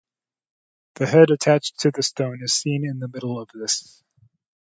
The head attached to the stone is seen in the middle of this.